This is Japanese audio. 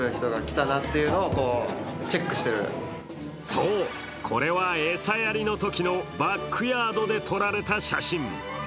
そう、これは餌やりのときのバックヤードで撮られた写真。